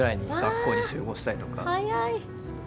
早い！